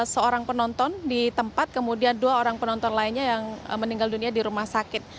seorang penonton di tempat kemudian dua orang penonton lainnya yang meninggal dunia di rumah sakit